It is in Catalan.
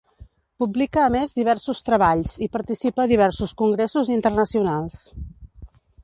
Publica a més diversos treballs i participa a diversos congressos internacionals.